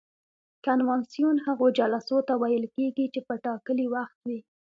کنوانسیون هغو جلسو ته ویل کیږي چې په ټاکلي وخت وي.